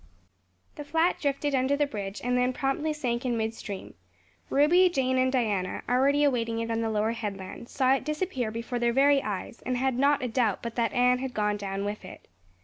The flat drifted under the bridge and then promptly sank in midstream. Ruby, Jane, and Diana, already awaiting it on the lower headland, saw it disappear before their very eyes and had not a doubt but that Anne had gone down with it.